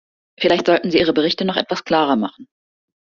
Vielleicht sollten Sie Ihre Berichte noch etwas klarer machen.